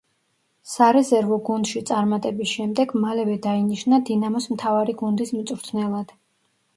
სარეზერვო გუნდში წარმატების შემდეგ მალევე დაინიშნა „დინამოს“ მთავარი გუნდის მწვრთნელად.